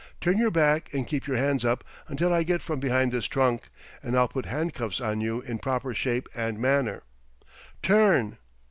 Turn your back and keep your hands up until I get from behind this trunk, and I'll put handcuffs on you in proper shape and manner. Turn!"